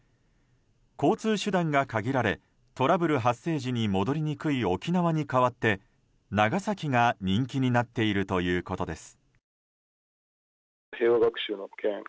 交通手段が限られトラブル発生時に戻りにくい沖縄に代わって長崎が人気になっているということです。